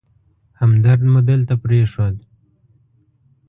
همدرد مو دلته پرېښود.